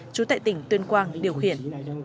chú tại tỉnh tuyên quang điều khiển